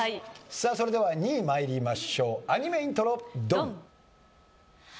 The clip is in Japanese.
さあそれでは２位参りましょうアニメイントロドン！